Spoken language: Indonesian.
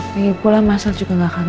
pengen pulang masa juga gak akan lambat kan